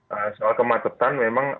ee soal kemacetan memang